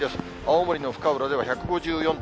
青森の深浦では１５４．０ミリ。